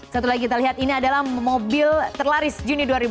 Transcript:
satu lagi kita lihat ini adalah mobil terlaris juni dua ribu dua puluh